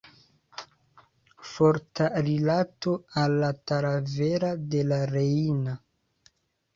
Forta rilato al Talavera de la Reina.